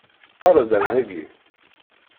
Ṭṭal-d ar daki!